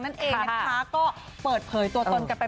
นั่นเองนะคะก็เปิดเผยตัวตนกันไป